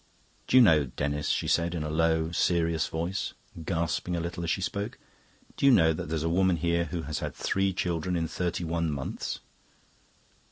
"Do you know, Denis," she said, in a low, serious voice, gasping a little as she spoke "do you know that there's a woman here who has had three children in thirty one months?"